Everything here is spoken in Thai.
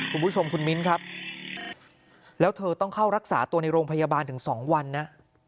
คุณผู้ชมคุณมิ้นครับแล้วเธอต้องเข้ารักษาตัวในโรงพยาบาลถึง๒วันนะ